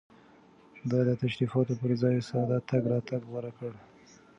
ده د تشريفاتو پر ځای ساده تګ راتګ غوره کړ.